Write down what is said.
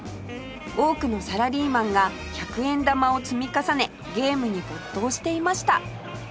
多くのサラリーマンが１００円玉を積み重ねゲームに没頭していました